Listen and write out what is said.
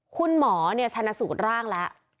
คุณหมอชนะสูดร่างและ